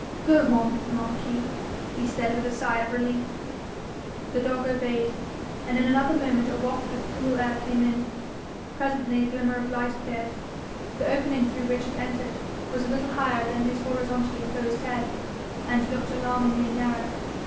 'Go on, Marquis,' he said, with a sigh of relief. The dog obeyed, and in another moment a waft of cool air came in. Presently a glimmer of light appeared. The opening through which it entered was a little higher than his horizontally posed head, and looked alarmingly narrow.